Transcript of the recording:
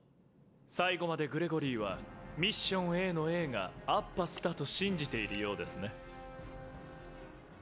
最後までグレゴリーは“ミッションＡ”の“Ａ”がアッバスだと信じているようですね。